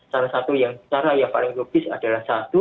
salah satu cara yang paling rupis adalah satu